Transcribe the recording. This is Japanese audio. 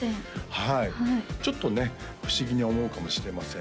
はいちょっとね不思議に思うかもしれません